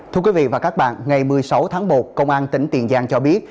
thưa quý vị và các bạn ngày một mươi sáu tháng một công an tỉnh tiền giang cho biết